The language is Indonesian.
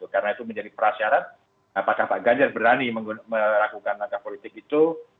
karena itu menjadi persyarat apakah pak ganjar berani melakukan langkah politik itu